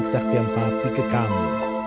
kesaktian papi ke kamu